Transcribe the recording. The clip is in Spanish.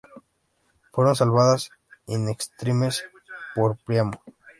Fueron salvados "in extremis" por Príamo.